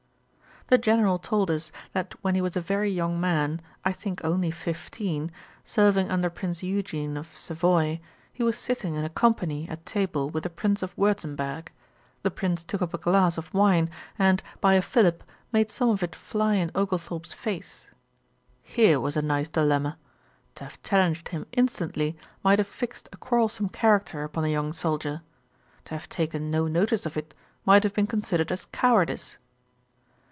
The General told us, that when he was a very young man, I think only fifteen, serving under Prince Eugene of Savoy, he was sitting in a company at table with a Prince of Wirtemberg, The Prince took up a glass of wine, and, by a fillip, made some of it fly in Oglethorpe's face. Here was a nice dilemma. To have challenged him instantly, might have fixed a quarrelsome character upon the young soldier: to have taken no notice of it might have been considered as cowardice.